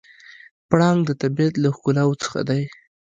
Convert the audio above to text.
پړانګ د طبیعت له ښکلاوو څخه دی.